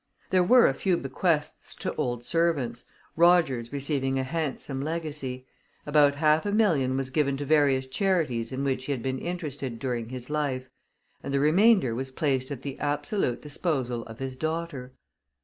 There were a few bequests to old servants, Rogers receiving a handsome legacy; about half a million was given to various charities in which he had been interested during his life, and the remainder was placed at the absolute disposal of his daughter.